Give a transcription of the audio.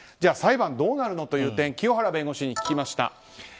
裁判はどうなるのという点清原弁護士に聞きました。